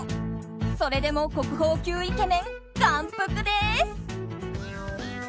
それでも国宝級イケメン眼福です！